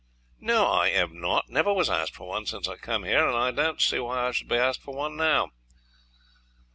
"No, I have not. Never was asked for one since I came here, and I don't see why I should be asked for one now."